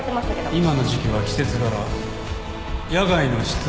今の時期は季節柄野外の湿度が高い。